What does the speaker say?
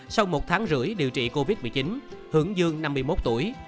sau một tháng rưỡi điều trị covid một mươi chín hưởng dương năm mươi một tuổi